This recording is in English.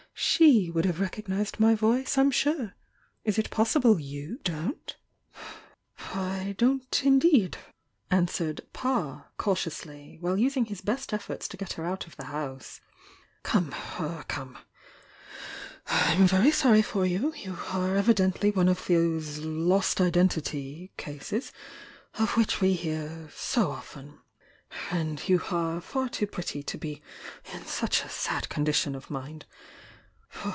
She would have recognised my voice, I'm sure. Is it possible you don't?" THE YOUNG DIANA 341 "I don't, indeed!" answered "Pa" cautiouslv, while using his best efforts to get her out of th« house — "Come, come! I'm very sorry for yc i. iu are evidently one of those 'lost identity' cai>e8 ot which we so often hear — and you are far too pretty to be in such a sad condition of mind!